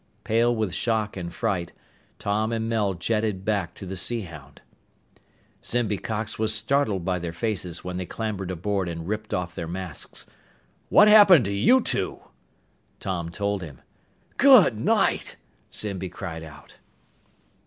Pale with shock and fright, Tom and Mel jetted back to the Sea Hound. Zimby Cox was startled by their faces when they clambered aboard and ripped off their masks. "What happened to you two?" Tom told him. "Good night!" Zimby cried out.